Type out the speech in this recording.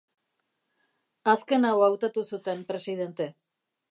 Azken hau hautatu zuten presidente.